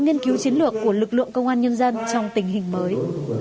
nghiên cứu chiến lược của lực lượng công an nhân dân trong tình hình mới